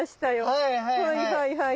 はいはいはい。